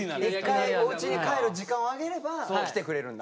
一回おうちに帰る時間をあげれば来てくれるんだ。